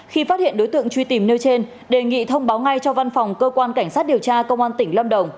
khi phát hiện đối tượng truy tìm nêu trên đề nghị thông báo ngay cho văn phòng cơ quan cảnh sát điều tra công an tỉnh lâm đồng